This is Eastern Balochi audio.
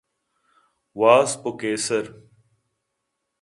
واسپ ءُ کیسر